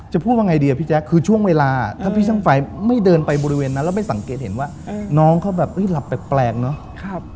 พูดว่าไงดีอะพี่แจ๊คคือช่วงเวลาถ้าพี่ช่างไฟไม่เดินไปบริเวณนั้นแล้วไม่สังเกตเห็นว่าน้องเขาแบบหลับแปลกเนอะ